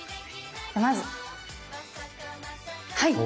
まずはい！